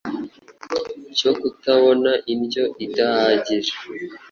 cyo kutabona indyo idahagije